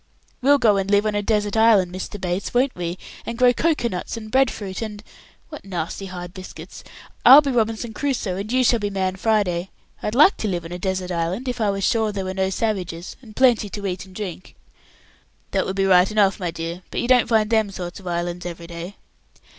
We'll go and live on a desert island, Mr. Bates, won't we, and grow cocoa nuts and bread fruit, and what nasty hard biscuits! I'll be Robinson Crusoe, and you shall be Man Friday. I'd like to live on a desert island, if I was sure there were no savages, and plenty to eat and drink." "That would be right enough, my dear, but you don't find them sort of islands every day."